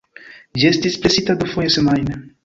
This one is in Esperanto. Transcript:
Ĝi estis presita dufoje semajne.